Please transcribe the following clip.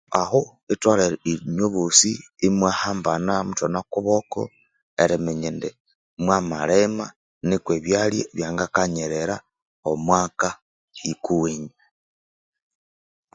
Aho litholere inywebosi imwahambana muthwana kuboko eriminya indi mwama Lima nuko ebyalya byangakanyirira omwaka yukuwenyu.